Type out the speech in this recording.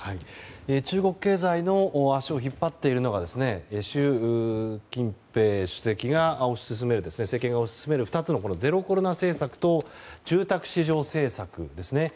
中国経済の足を引っ張っているのが習近平主席が推し進める２つのゼロコロナ政策と住宅市場政策ですね。